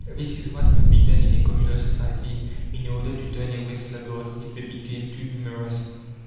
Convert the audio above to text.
This is what could be done in a communal society in order to turn away sluggards if they became too numerous.